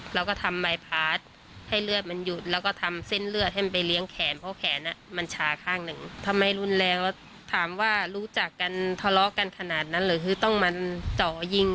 แล้วพ่อแม่เขาจะเป็นยังไง